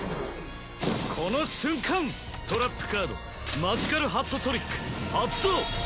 この瞬間トラップカードマジカル・ハットトリック発動！